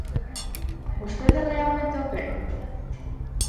¿Vostede realmente o cre?